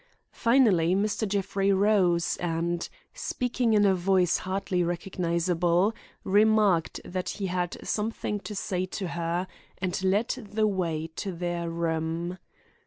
Finally Mr. Jeffrey rose and, speaking in a voice hardly recognizable, remarked that he had something to say to her, and led the way to their room.